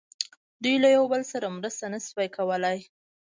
دوی یو له بل سره مرسته نه شوه کولای.